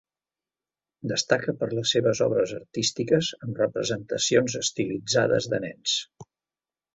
Destaca per les seves obres artístiques amb representacions estilitzades de nens.